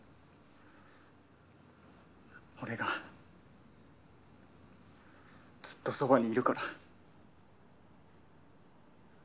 俺がずっとそばにいるから。